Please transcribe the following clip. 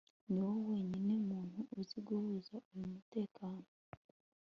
niwowe wenyine muntu uzi guhuza uyu mutekano